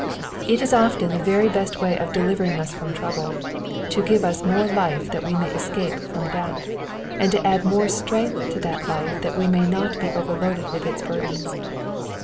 This is often the very best way of delivering us from trouble, — to give us more life that we may escape from death ; and to add more strength to that life that we may not be overloaded with its burdens.